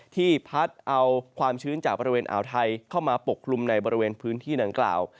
ที่พัดเอาความชื้นจากบริเวณอ่าวไทยเข้ามาปกคลุมในบริเวณพื้นที่ดังกล่าว